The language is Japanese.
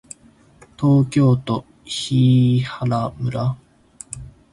東京都檜原村